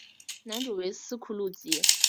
男主角为斯库路吉。